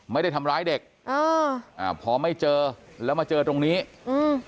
ไม่ได้ทำร้ายเด็กอ่าอ่าพอไม่เจอแล้วมาเจอตรงนี้อืม